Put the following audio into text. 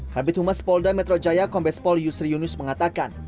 kabit humas polda metro jaya kombespol yusri yunus mengatakan